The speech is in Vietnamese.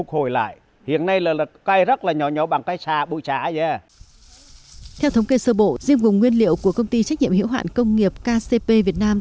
theo thống kê sơ bộ riêng vùng nguyên liệu của công ty trách nhiệm hiệu hoạn công nghiệp kcp việt nam